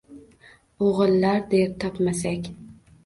O‘g‘illar der:-Topmasak